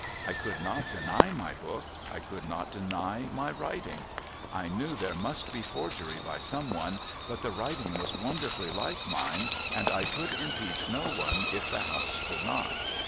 I could not deny my book ; I could not deny my writing. I knew there must be forgery by some one ; but the writing was wonderfully like mine, and I could impeach no one if the house could not.